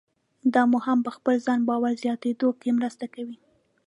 دا مو هم په خپل ځان باور زیاتېدو کې مرسته کوي.